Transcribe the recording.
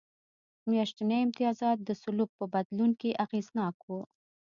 میاشتني امتیازات د سلوک په بدلون کې اغېزناک و.